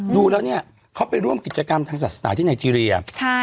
ดูแล้วเนี่ยเขาไปร่วมกิจกรรมทางศาสนาที่ไนเจรีย